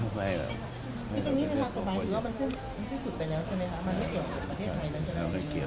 มองไหมครับว่าประเด็นนี้นี่